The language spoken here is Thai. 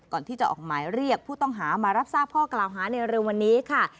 ก่อนที่จะออกหมายเรียกผู้ต้องหามารับทราบข้อกล่าวหาในเร็ววันนี้ค่ะ